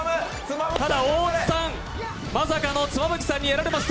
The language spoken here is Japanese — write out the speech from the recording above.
ただ大津さん、まさかの妻夫木さんにやられました。